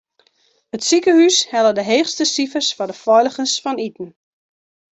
It sikehús helle de heechste sifers foar de feiligens fan iten.